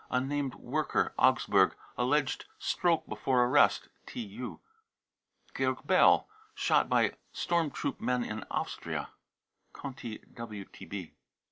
unnamed worker, Augsburg, alleged stroke before arrest. '(TU.) georg bell, shot by storm troop men in Austria. (Conti WTB.)